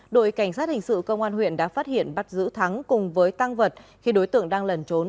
đội cảnh sát hình sự công an huyện đã phát hiện bắt giữ thắng cùng với tăng vật khi đối tượng đang lẩn trốn